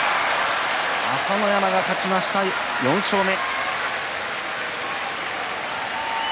朝乃山が勝ちました、４勝目。